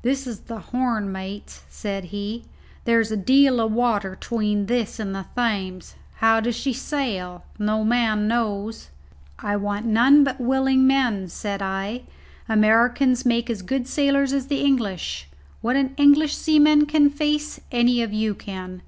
"This is the Horn, mates," said he. "There's a deal o' water 'tween this and the Thames. How do she sail? no man knows." "I want none but willing men," said I. "Americans make as good sailors as the English. What an English seaman can face any of you can.